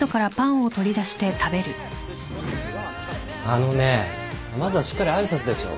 あのねまずはしっかり挨拶でしょ。